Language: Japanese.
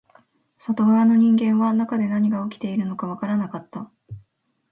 外側の人間は中で何が起きているのかわからなかった